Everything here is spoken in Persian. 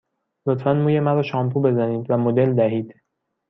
لطفاً موی مرا شامپو بزنید و مدل دهید.